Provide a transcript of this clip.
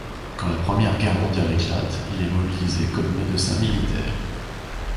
Quand la Première Guerre mondiale éclate, il est mobilisé comme médecin militaire.